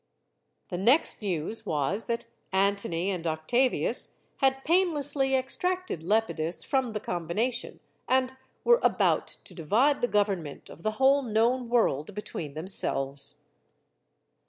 The next news was that Antony and Octavius had painlessly extracted Lepidus from the combination, and were about to divide the government of the whole known world between themselves.